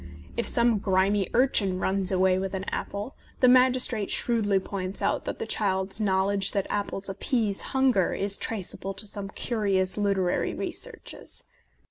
If some grimy urchin runs away with an apple, the magistrate shrewdly points out that the child's knowledge that apples appease hunger is traceable to some curious literary researches.